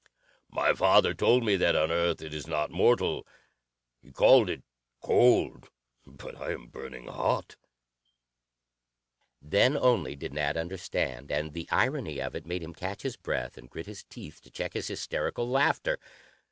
"My father told me that on Earth it is not mortal. He called it 'cold' but I am burning hot." Then only did Nat understand, and the irony of it made him catch his breath and grit his teeth to check his hysterical laughter.